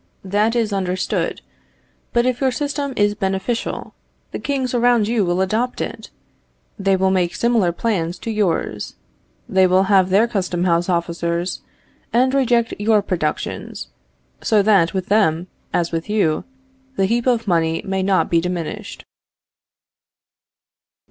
That is understood. But if your system is beneficial, the kings around you will adopt it. They will make similar plans to yours; they will have their custom house officers, and reject your productions; so that with them, as with you, the heap of money may not be diminished.